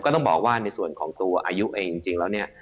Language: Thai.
ต้องบอกว่าในส่วนของตัวอายุเองจริงแล้วเนี่ย